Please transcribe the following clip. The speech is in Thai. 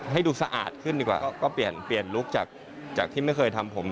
ให้ดูสะอาดขึ้นดีกว่าก็เปลี่ยนเปลี่ยนลุคจากที่ไม่เคยทำผม